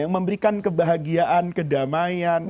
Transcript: yang memberikan kebahagiaan kedamaian